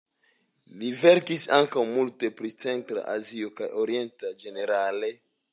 Li verkis ankaŭ multe pri Centra Azio kaj Oriento ĝenerale.